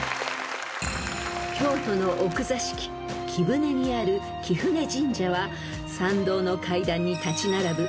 ［京都の奥座敷貴船にある貴船神社は参道の階段に立ち並ぶ